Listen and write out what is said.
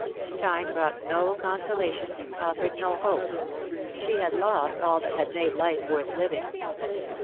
Time brought no consolation, offered no hope. She had lost all that had made life worth living.